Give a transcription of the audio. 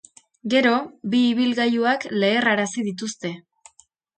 Gero, bi ibilgailuak leherrarazi dituzte.